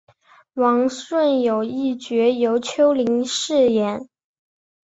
王顺友一角由邱林饰演。